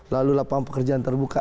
lalu lapangan pekerjaan terbuka